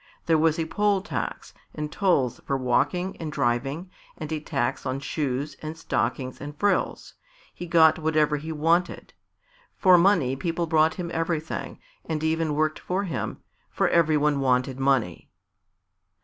There was a poll tax, and tolls for walking and driving, and a tax on shoes and stockings and frills. He got whatever he wanted. For money people brought him everything, and even worked for him, for every one wanted money.